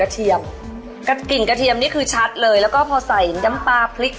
แม่ให้เยอะแบบนี้ทุกจานที่มากิน